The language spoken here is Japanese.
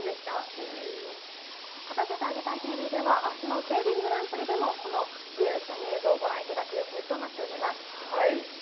『勝たせてあげたいＴＶ』では明日のＫＥＩＲＩＮグランプリでも、この自由視点映像をご覧いただく予定となっています。